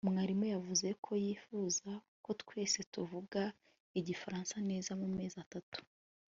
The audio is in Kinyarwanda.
mwarimu yavuze ko yifuza ko twese tuvuga igifaransa neza mu mezi atatu